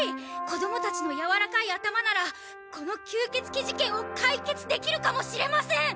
子どもたちのやわらかい頭ならこの吸ケツ鬼事件を解決できるかもしれません。